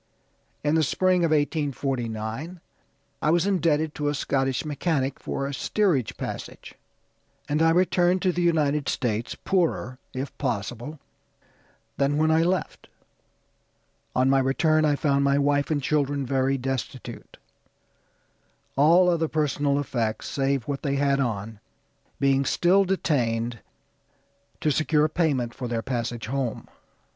In the spring of 1849 I was indebted to a Scottish mechanic for a steerage passage, and I returned to the United States, poorer, if possible, than when I left. On my return I found my wife and children very destitute; all other personal effects, save what they had on, being still detained to secure payment for their passage home.